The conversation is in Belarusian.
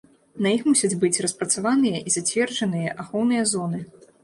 На іх мусяць быць распрацаваныя і зацверджаныя ахоўныя зоны.